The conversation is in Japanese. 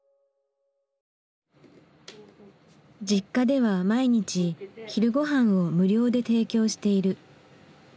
Ｊｉｋｋａでは毎日昼ごはんを無料で提供している。